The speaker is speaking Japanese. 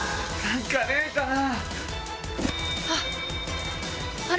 何かねえかな？